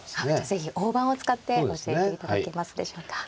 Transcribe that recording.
是非大盤を使って教えていただけますでしょうか。